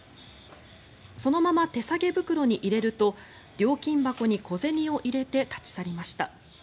そのまま手提げ袋に入れると料金箱に小銭を入れて立ち去りました。